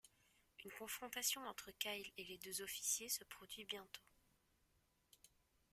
Une confrontation entre Kyle et les deux officiers se produit bientôt.